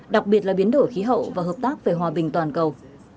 đặc biệt là biến đổi khí hậu và hợp tác về hòa bình toàn cầu